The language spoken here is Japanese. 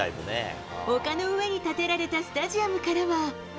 丘の上に建てられたスタジアムからは。